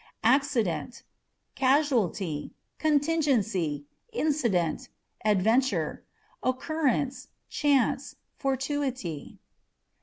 Accident â€" casuality, contingency, incident, adventure, occur rence, chance, fortuity.